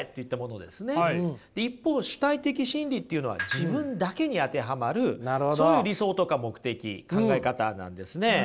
一方主体的真理っていうのは自分だけに当てはまるそういう理想とか目的考え方なんですね。